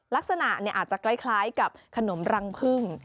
ลักษณะอาจจะคล้ายกับขนมรังพึ่ง